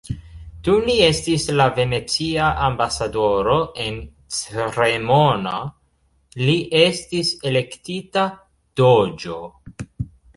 Dum li estis la venecia ambasadoro en Cremona, li estis elektita "doĝo".